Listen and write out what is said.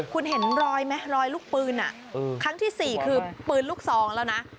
คุณเห็นรอยไหมรอยลูกปืนครั้งที่๔คือปืนลูกซองแล้วนะ